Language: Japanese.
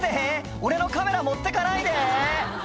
「俺のカメラ持ってかないで！」